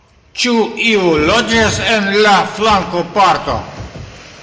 Ĉu iu loĝas en la flankoparto?